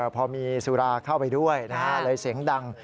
พอมีสุราเข้าไปด้วยเลยเสียงดัง